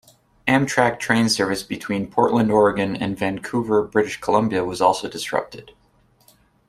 Amtrak train service between Portland, Oregon and Vancouver, British Columbia was also disrupted.